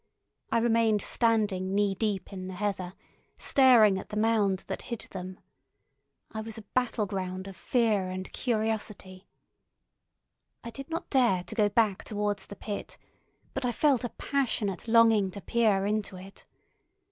I remained standing knee deep in the heather, staring at the mound that hid them. I was a battleground of fear and curiosity. I did not dare to go back towards the pit, but I felt a passionate longing to peer into it.